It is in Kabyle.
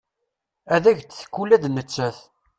Ad ak-d-tekk ula d nettat.